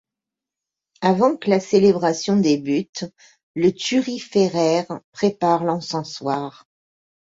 Avant que la célébration débute, le thuriféraire prépare l'encensoir.